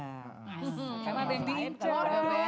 masih sama dengan bincang